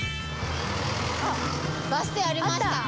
あっバス停ありました。